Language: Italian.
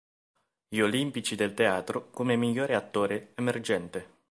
Gli Olimpici del Teatro come migliore attore emergente.